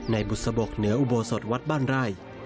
บุษบกเหนืออุโบสถวัดบ้านไร่